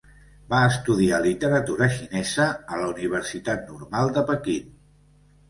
Va estudiar literatura xinesa a la Universitat Normal de Pequín.